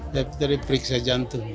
dari periksa jantung